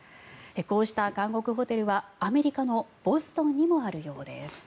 こうした監獄ホテルはアメリカのボストンにもあるようです。